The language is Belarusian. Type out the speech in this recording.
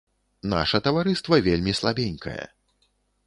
Наша таварыства вельмі слабенькае.